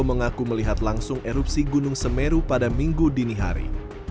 mengaku melihat langsung erupsi gunung semeru pada minggu dini hari